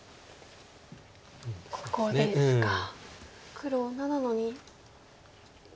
黒７の二。